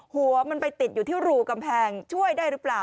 หัวมันไปติดอยู่ที่รูกำแพงช่วยได้หรือเปล่า